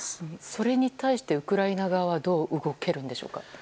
それに対してウクライナ側はどう動けるんでしょうか？